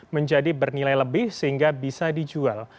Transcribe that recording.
menjadi bernilai lebih sehingga bisa dijual